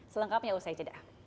selengkapnya usai ceda